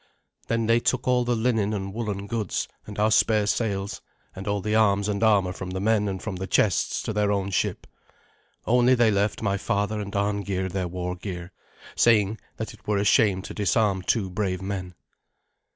Then they took all the linen and woollen goods, and our spare sails, and all the arms and armour from the men and from the chests to their own ship. Only they left my father and Arngeir their war gear, saying that it were a shame to disarm two brave men.